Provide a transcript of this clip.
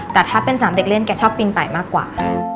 แต่ถ้าเป็นสนามเด็กเล่นแกชอบปีนไปมากกว่า